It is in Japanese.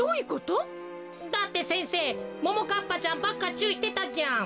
だって先生ももかっぱちゃんばっかちゅういしてたじゃん。